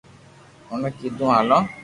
اوڻي ڪيڌو ھالو